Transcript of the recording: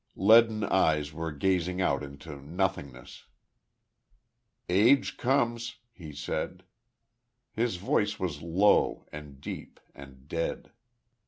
Leaden eyes were gazing out into nothingness. "Age comes," he said. His voice was low, and deep, and dead.